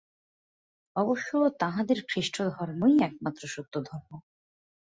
অবশ্য তাঁহাদের খ্রীষ্টধর্মই একমাত্র সত্য ধর্ম।